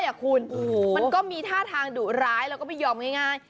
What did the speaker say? คุณมันก็มีท่าทางดุร้ายแล้วก็ไม่ยอมง่าย